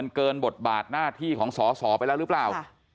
เกินบทบาทหน้าที่ของสอสอไปแล้วหรือเปล่า